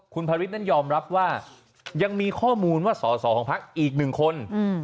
คุณพระฤทธินั้นยอมรับว่ายังมีข้อมูลว่าสอสอของพักอีกหนึ่งคน